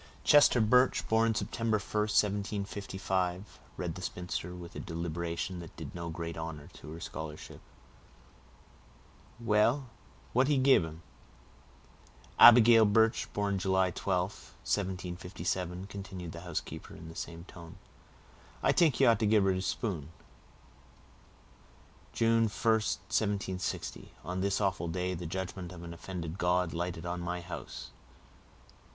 "Chester Birch, born September 1st, 1755,"—read the spinster, with a deliberation that did no great honor to her scholarship. "Well, what he gib him?" "Abigail Birch, born July 12th, 1757," continued the housekeeper, in the same tone. "I t'ink he ought to gib her 'e spoon." "_June 1st, 1760. On this awful day, the judgment of an offended God lighted on my house.